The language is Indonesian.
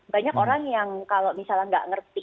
banyak orang yang kalau misalnya nggak ngerti